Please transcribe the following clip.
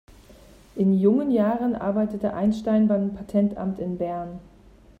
In jungen Jahren arbeitete Einstein beim Patentamt in Bern.